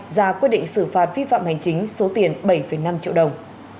ra quyết định xử phạt vi phạm hành chính số tiền bảy năm triệu đồng